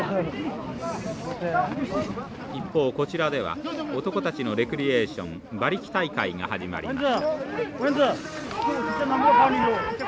一方こちらでは男たちのレクリエーション馬力大会が始まりました。